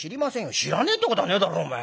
「知らねえってことはねえだろお前。